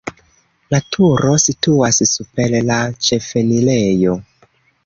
La turo situas super la ĉefenirejo.